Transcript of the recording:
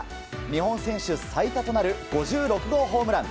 日本選手最多となる５６号ホームラン。